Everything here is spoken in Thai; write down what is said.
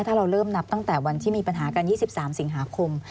ถ้าเราเริ่มนับตั้งแต่วันที่มีปัญหากัน๒๓สิงหาคม